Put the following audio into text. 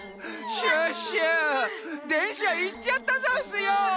シュッシュでんしゃいっちゃったざんすよ。